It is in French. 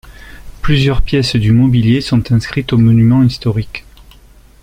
Plusieurs pièces du mobilier sont inscrites aux monuments historiques.